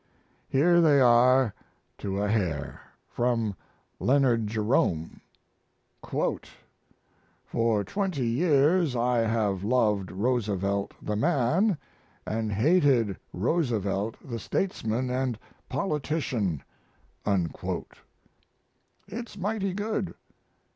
Here they are, to a hair from Leonard Jerome: "For twenty years I have loved Roosevelt the man, and hated Roosevelt the statesman and politician." It's mighty good.